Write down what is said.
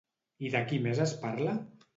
I de qui més es parla?